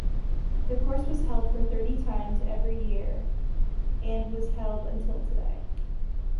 The course was held for thirty times every year and was held until today.